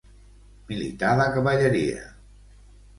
Militar de cavalleria.